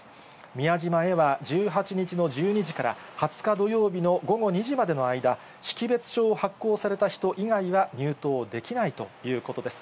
宮島へは１８日の１２時から２０日土曜日の午後２時までの間、識別証を発行された人以外は入島できないということです。